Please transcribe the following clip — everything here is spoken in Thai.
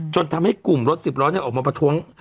จนทำให้กลุ่มรถสิบล้อออกมาประท้วง